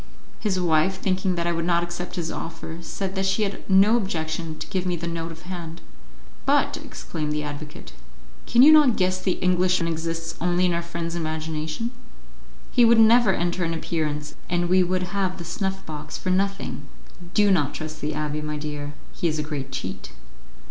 His wife, thinking that I would not accept his offer, said that she had no objection to give me the note of hand. "But," exclaimed the advocate, "can you not guess the Englishman exists only in our friend's imagination? He would never enter an appearance, and we would have the snuff box for nothing. Do not trust the abbé, my dear, he is a great cheat."